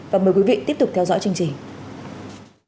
và mời quý vị tiếp tục theo dõi chương trình